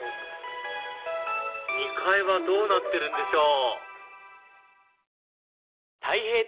２階はどうなってるんでしょう？